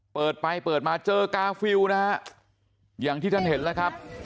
เปิดไปเปิดมาเจอกาฟิลนะฮะอย่างที่ท่านเห็นแล้วครับ